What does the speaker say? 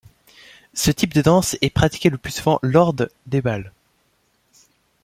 Ce type de danse est pratiquée le plus souvent lord des bals.